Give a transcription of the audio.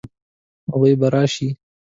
هغوی به راشي؟